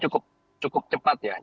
ini cukup cepat ya